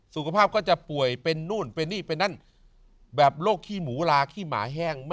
สุขภาพล่ะครับ